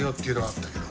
あったけど。